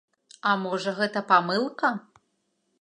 А можа, гэта памылка?